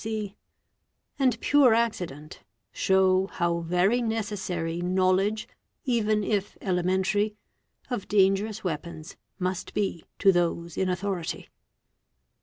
P. C.), and pure accident, show how very necessary knowledge, even if elementary, of. dangerous weapons must be to those in authority.